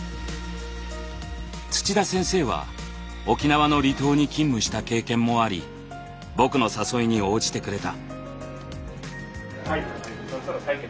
土田先生は沖縄の離島に勤務した経験もあり僕の誘いに応じてくれた。